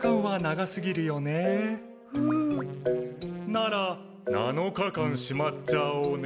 なら７日間しまっちゃおうね。